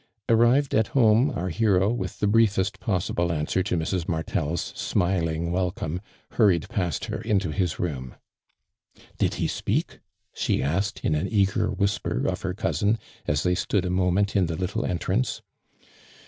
Arriv ed at home our hero, With the briefest possible answer to Mrs. Martel's smiling welcome, hurried past her into his room. " Did be speak?" she asked, in an eager whisper of her cousin, as they stood a moment in the little entrance.